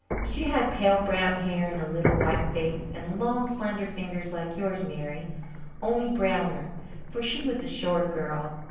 She had pale brown hair and a little white face, and long slender fingers like yours, Mary, only browner, for she was a shore girl.